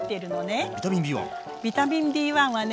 ビタミンＢはね